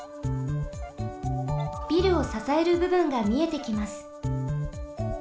ビルをささえるぶぶんがみえてきます。